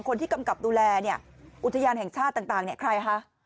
กำกับดูแลเนี่ยอุทยานแห่งชาติต่างเนี่ยใครคะ